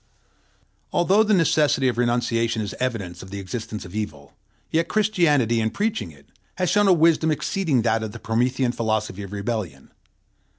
Although the necessity of renunciation is evidence of the existence of evil, yet Christianity, in preaching it, has shown a wisdom exceeding that of the Promethean philosophy of rebellion.